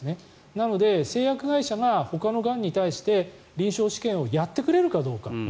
なので製薬会社がほかのがんに対して臨床試験をやってくれるかどうか。